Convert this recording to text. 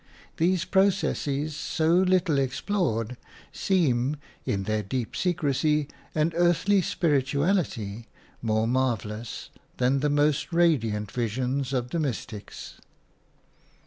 These processes, so little explored, seem in their deep secrecy and earthly spirituality more marvellous than the most radiant visions of the mystics.